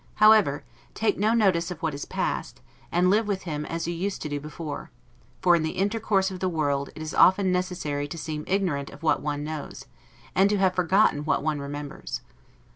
However, take no notice of what is passed, and live with him as you used to do before; for, in the intercourse of the world, it is often necessary to seem ignorant of what one knows, and to have forgotten what one remembers.